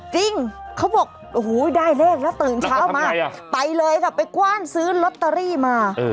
จริงเขาบอกโอ้โหได้เลขแล้วตื่นเช้ามาไปเลยค่ะไปกว้านซื้อลอตเตอรี่มา